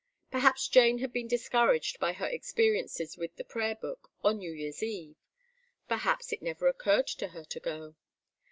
Perhaps Jane had been discouraged by her experiences with the Prayer Book on New Year's Eve. Perhaps it never occurred to her to go.